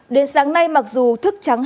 đến sáng nay mặc dù thức trắng hạt